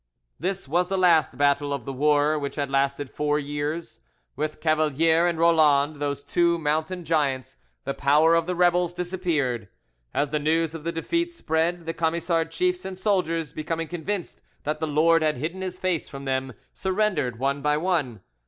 This was the last battle of the war, which had lasted four years. With Cavalier and Roland, those two mountain giants, the power of the rebels disappeared. As the news of the defeat spread, the Camisard chiefs and soldiers becoming convinced that the Lord had hidden His face from them, surrendered one by one.